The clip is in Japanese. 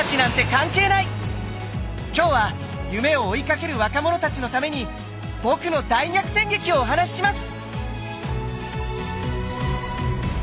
今日は夢を追いかける若者たちのために僕の大逆転劇をお話しします！